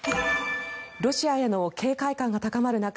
ロシアへの警戒感が高まる中